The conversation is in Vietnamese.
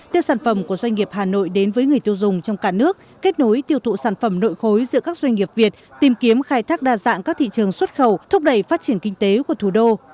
đưa sản phẩm của doanh nghiệp hà nội đến với người tiêu dùng trong cả nước kết nối tiêu thụ sản phẩm nội khối giữa các doanh nghiệp việt tìm kiếm khai thác đa dạng các thị trường xuất khẩu thúc đẩy phát triển kinh tế của thủ đô